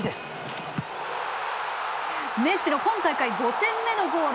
メッシの今大会５点目のゴール。